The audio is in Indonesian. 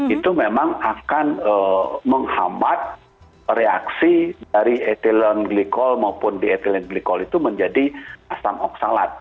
itu memang akan menghambat reaksi dari etilen glikol maupun di etilen glikol itu menjadi asam oksalat